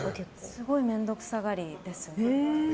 すごい面倒くさがりです。